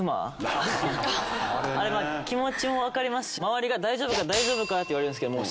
あれは気持ちも分かりますし周りが「大丈夫か？」って言われるんですけど。